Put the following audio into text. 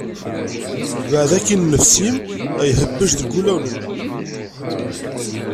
Baɛed akin! Nnefs-im ihebbej deg wulawen-nneɣ.